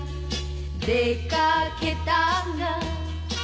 「出掛けたが」